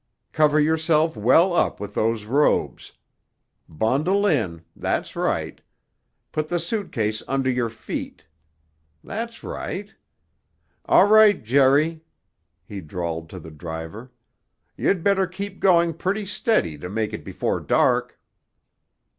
Cover yourself well up with those robes. Bundle in—that's right. Put the suitcase under your feet. That's right. All right, Jerry," he drawled to the driver. "You'd better keep going pretty steady to make it before dark."